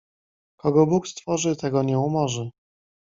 "Kogo Bóg stworzy, tego nie umorzy..."